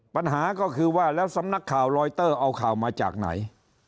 ปัญหาก็คือว่าแล้วสำนักข่าวลอยเตอร์เอาข่าวมาจากไหน